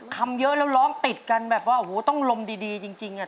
เยอะแล้วร้องติดกันแบบว่าโอ้โหต้องลมดีจริง